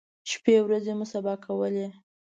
شپی ورځې مو سبا کولې.